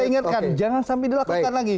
saya ingatkan jangan sampai dilakukan lagi